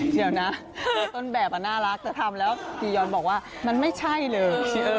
เดี๋ยวนะต้นแบบน่ารักแต่ทำแล้วจียอนบอกว่ามันไม่ใช่เลย